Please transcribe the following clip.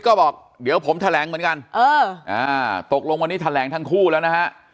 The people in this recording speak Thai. ก็บอกเดี๋ยวผมแถลงเหมือนกันตกลงวันนี้แถลงทั้งคู่แล้วนะฮะ